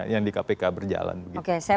yang di kpk berjalan oke saya mau